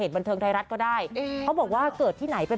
เอาอีกทีเอาอีกทีเอาอีกทีเอาอีกที